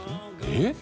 「えっ？